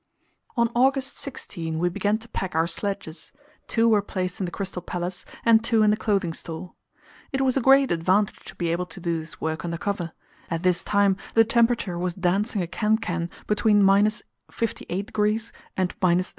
On August 16 we began to pack our sledges; two were placed in the Crystal Palace and two in the Clothing Store. It was a great advantage to be able to do this work under cover; at this time the temperature was dancing a cancan between 58° and 75°F.